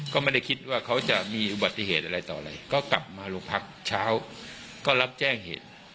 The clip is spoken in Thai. ก็ไม่ได้คิดว่าเขาจะมีอุบัติเหตุอะไรต่ออะไรก็กลับมาโรงพักเช้าก็รับแจ้งเหตุ